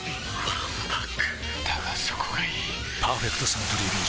わんぱくだがそこがいい「パーフェクトサントリービール糖質ゼロ」